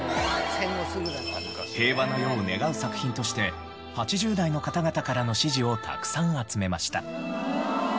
平和な世を願う作品として８０代の方々からの支持をたくさん集めました。